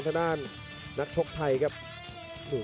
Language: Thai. กันต่อแพทย์จินดอร์